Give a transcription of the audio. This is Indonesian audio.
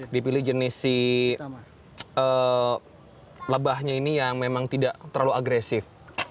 dipilih jenis si lebahnya ini yang memang tidak terlalu agresif